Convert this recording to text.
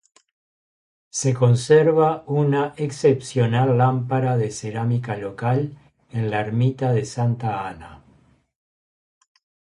Se conserva una excepcional lámpara de cerámica local en la ermita de Santa Ana.